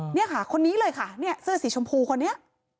นี่ค่ะคนนี้เลยค่ะเนี่ยเสื้อสีชมพูคนนี้